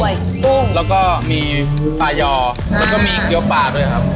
กุ้งแล้วก็มีปลายอแล้วก็มีเกี้ยวปลาด้วยครับ